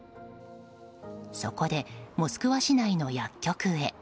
そこで、モスクワ市内の薬局へ。